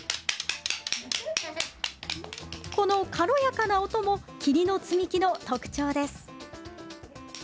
この軽やかな音も桐の積み木の特徴です。